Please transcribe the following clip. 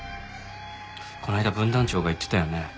この間分団長が言ってたよね。